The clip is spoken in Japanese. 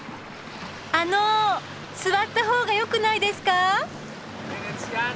あの座った方がよくないですか？